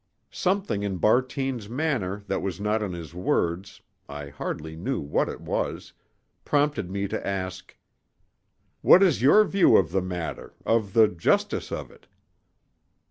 Something in Bartine's manner that was not in his words—I hardly knew what it was—prompted me to ask: "What is your view of the matter—of the justice of it?"